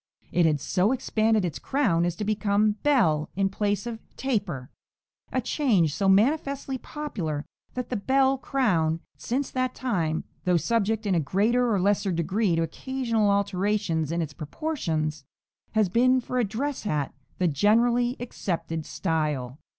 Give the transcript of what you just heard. It had so expanded its crown as to become "bell" in place of "taper," a change so manifestly popular that the "bell crown" since that time, though subject in a greater or less degree to occasional alterations in its proportions, has been for a dress hat the generally accepted style.